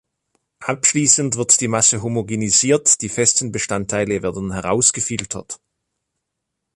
Abschließend wird die Masse homogenisiert, die festen Bestandteile werden herausgefiltert.